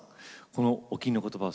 この沖縄の言葉